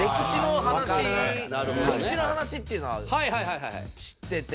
歴史の話っていうのは知ってて。